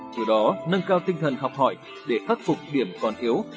từ đó nâng cao tinh thần học hỏi để khắc phục điểm còn thiếu